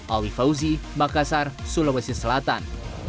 awi fauzi makassar sulawesi selatan